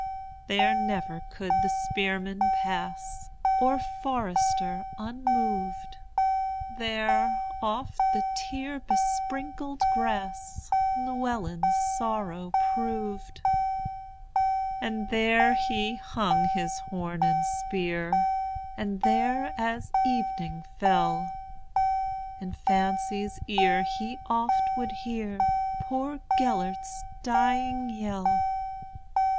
There never could the spearman pass, Or forester, unmoved; There oft the tear besprinkled grassLlewelyn's sorrow proved. And there he hung his horn and spear, And there, as evening fell, In fancy's ear he oft would hearPoor Gêlert's dying yell.